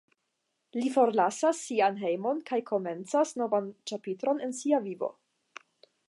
Li forlasas sian hejmon kaj komencas novan ĉapitron en sia vivo.